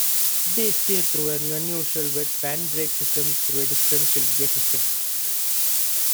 They steered through an unusual wet band brake system through a differential gear system.